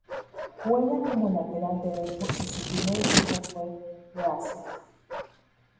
Juega como lateral derecho y su primer equipo fue Racing.